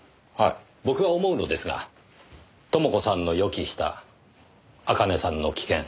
僕は思うのですが朋子さんの予期した茜さんの危険。